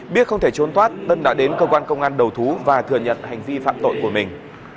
biết không thể trốn thoát tân đã đến cơ quan công an đầu thú và thừa nhận hành vi phạm tội của mình